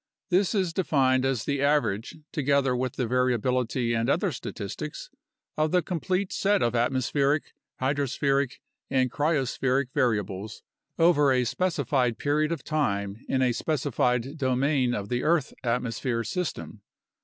This is defined as the average (together with the variability and other statistics) of the complete set of atmospheric, hydrospheric, and cryospheric variables over a specified period of time in a specified domain of the earth atmosphere system.